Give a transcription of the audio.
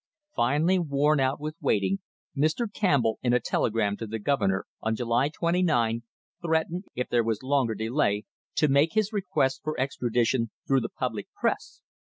Finally, worn out with waiting, Mr. Campbell, in a telegram to the Governor on July 29, threatened, if there was longer delay, to make his request for extradition through the public press.